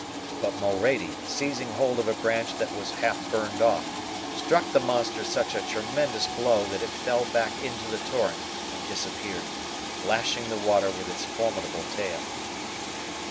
But Mulrady, seizing hold of a branch that was half burned off, struck the monster such a tremendous blow, that it fell back into the torrent and disappeared, lashing the water with its formidable tail.